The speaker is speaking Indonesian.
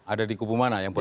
ada di kubu mana yang